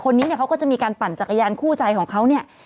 เนี่ยเขาก็จะมีการปั่นจักรยานคู่ใจของเขาเนี่ย